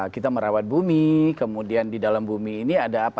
kita merawat bumi kemudian di dalam bumi ini ada apa